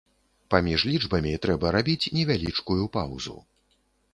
Паміж лічбамі трэба рабіць невялічкую паўзу.